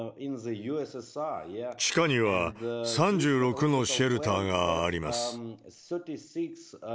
地下には３６のシェルターがあります。